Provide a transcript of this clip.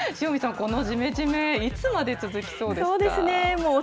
塩見さん、このじめじめいつまで続きそうですか。